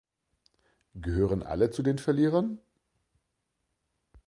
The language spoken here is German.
Gehören alle zu den Verlierern?